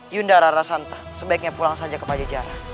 yunda rara santa sebaiknya pulang saja ke pajajara